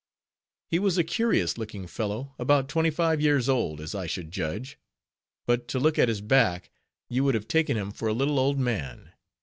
He was a curious looking fellow, about twenty five years old, as I should judge; but to look at his back, you would have taken him for a little old man.